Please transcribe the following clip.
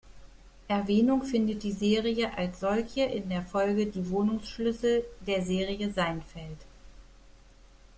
Erwähnung findet die Serie als solche in der Folge "Die Wohnungsschlüssel" der Serie "Seinfeld".